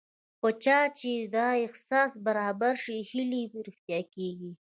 په چا چې دا احساس برابر شي هیلې یې رښتیا کېږي